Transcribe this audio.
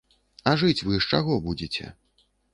А жыць вы з чаго будзеце?